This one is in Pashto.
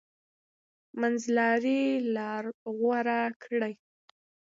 منځلاري لار غوره کړئ.